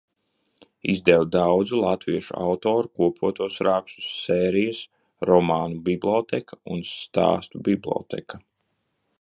"Izdeva daudzu latviešu autoru kopotos rakstus, sērijas "Romānu bibliotēka" un "Stāstu bibliotēka"."